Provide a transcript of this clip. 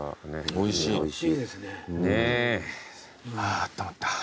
あーあったまった。